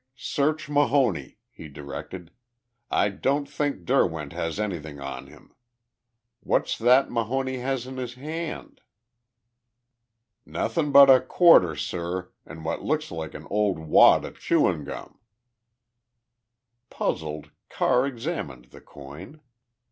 "Search Mahoney," he directed. "I don't think Derwent has anything on him. What's that Mahoney has in his hand?" "Nothin' but a quarter, sir, an' what looks like an old wad o' chewin' gum." Puzzled, Carr examined the coin.